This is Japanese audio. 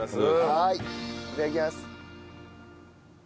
いただきます。